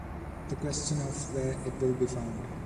The question of where it will be found.